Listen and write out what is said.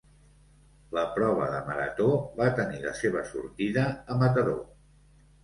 La prova de marató va tenir la seva sortida a Mataró.